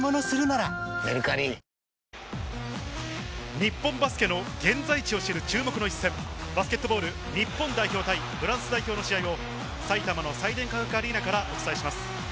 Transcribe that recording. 日本バスケの現在地を知る注目の一戦、バスケットボール日本代表対フランス代表の試合後をさいたまのサイデン化学アリーナからお伝えします。